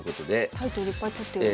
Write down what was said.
タイトルいっぱい取ってるけど。